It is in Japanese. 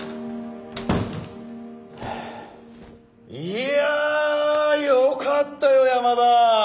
いやよかったよ山田！